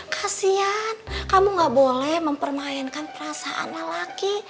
kasian kamu gak boleh mempermainkan perasaan lelaki